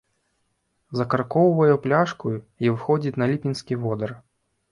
Закаркоўвае пляшку й выходзіць на ліпеньскі водар.